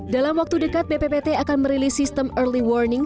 dalam waktu dekat bppt akan merilis sistem early warning